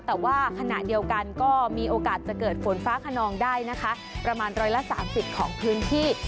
แต่ว่าขณะเดียวกันก็มีโอกาสจะเกิดฝนฟ้าขนองได้นะคะประมาณ๑๓๐ของพื้นที่